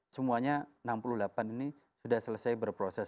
semuanya enam puluh delapan ini sudah selesai berproses